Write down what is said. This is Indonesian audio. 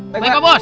baik pak bos